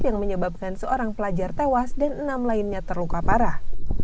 yang menyebabkan seorang pelajar tewas dan enam lainnya terluka parah